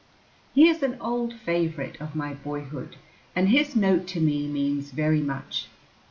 He is an old favorite of my boyhood, and his note to me means very much.